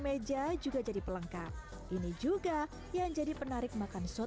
ber discussing gita enggak jadi infinitely sudah selesai warga keluarga itu malah rap mengelola